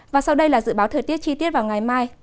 và sau đây là dự báo thời tiết chi tiết vào ngày mai